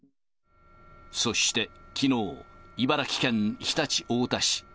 そして、きのう、茨城県常陸太田市。